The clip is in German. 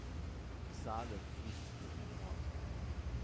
Die Saale fließt durch den Ort.